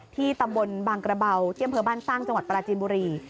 ที่ตำบลบางกระเบาที่อำเภอบ้านสร้างจังหวัดปราจีนบุรี